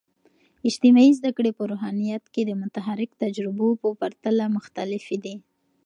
اجتماعي زده کړې په روحانيات کې د متحرک تجربو په پرتله مختلفې دي.